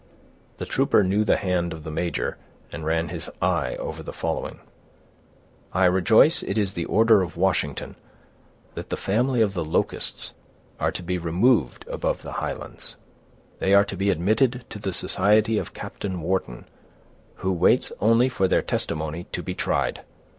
The trooper knew the hand of the major, and ran his eye over the following:— "I rejoice it is the order of Washington, that the family of the Locusts are to be removed above the Highlands. They are to be admitted to the society of Captain Wharton, who waits only for their testimony to be tried.